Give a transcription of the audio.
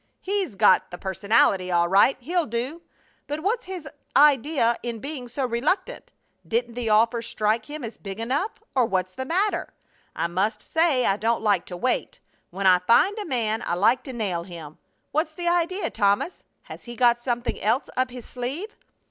"He's got the personality, all right! He'll do! But what's his idea in being so reluctant? Didn't the offer strike him as big enough, or what's the matter? I must say I don't like to wait. When I find a man I like to nail him. What's the idea, Thomas? Has he got something else up his sleeve?"